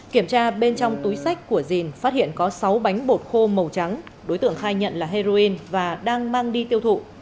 kiểm tra bên trong túi sách của dìn phát hiện có sáu bánh bột khô màu trắng đối tượng khai nhận là heroin và đang mang đi tiêu thụ